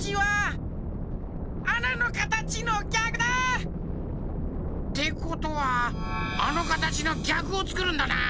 あなのかたちのぎゃくだ！ってことはあのかたちのぎゃくをつくるんだな。